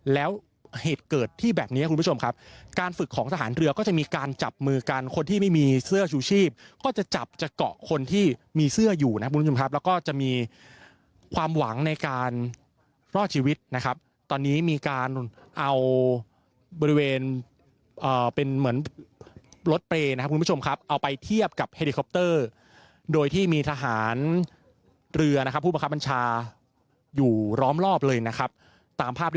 แล้วเหตุเกิดที่แบบนี้คุณผู้ชมครับการฝึกของทหารเรือก็จะมีการจับมือกันคนที่ไม่มีเสื้อชูชีพก็จะจับจะเกาะคนที่มีเสื้ออยู่นะครับคุณผู้ชมครับแล้วก็จะมีความหวังในการรอดชีวิตนะครับตอนนี้มีการเอาบริเวณเป็นเหมือนรถเปรย์นะครับคุณผู้ชมครับเอาไปเทียบกับเฮลิคอปเตอร์โดยที่มีทหารเรือนะครับผู้บังคับบัญชาอยู่ล้อมรอบเลยนะครับตามภาพที่